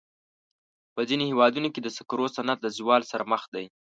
په ځینو هېوادونو کې د سکرو صنعت د زوال سره مخ دی.